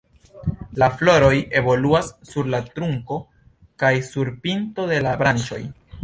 La floroj evoluas sur la trunko kaj sur pinto de la branĉoj.